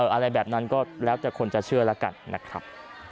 อะไรแบบนั้นก็แล้วแต่คนจะเชื่อแล้วกันนะครับ